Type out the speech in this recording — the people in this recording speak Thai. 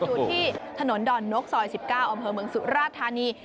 อยู่ที่ถนนดอนนกซอย๑๙อำเภอเมืองสุราธานี